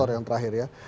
yang terakhir ya